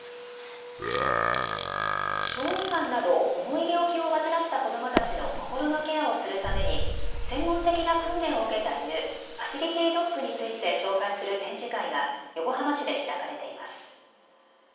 小児がんなど重い病気を患った子どもたちの心のケアをするために専門的な訓練を受けた犬、ファシリティドッグについて紹介する展示会が横浜市で開かれています。